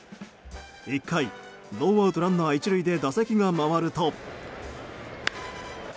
１回、ノーアウトランナー１塁で打席が回ると。